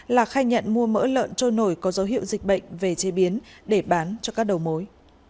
là khai nhận mua mỡ lợn trôi nổi có dấu hiệu dịch bệnh về chế biến để bán cho các đầu mối